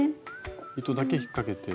糸だけ引っかけて。